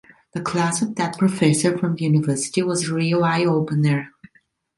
The class of that professor from the university was a real eye-opener.